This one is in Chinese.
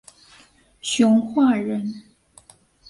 熊化人。